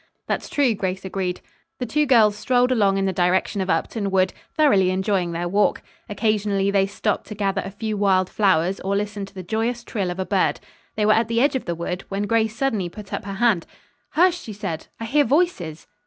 "That's true," Grace agreed. The two girls strolled along in the direction of Upton Wood, thoroughly enjoying their walk. Occasionally, they stopped to gather a few wild flowers, or listen to the joyous trill of a bird. They were at the edge of the wood, when Grace suddenly put up her hand. "Hush!" she said. "I hear voices."